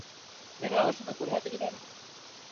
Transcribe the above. Миңә ошоно күрһәтегеҙ әле